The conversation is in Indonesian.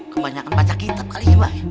kebanyakan baca kitab kali ya mbak